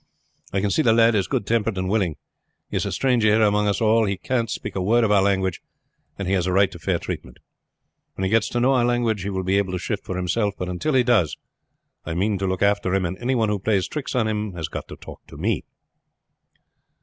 I can see the lad is good tempered and willing. He is a stranger here among us all, he can't speak a word of our language, and he has a right to fair treatment. When he gets to know our language he will be able to shift for himself; but until he does I mean to look after him, and any one who plays tricks on him has got to talk to me."